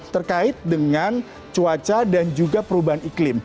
terkait dengan cuaca dan juga perubahan iklim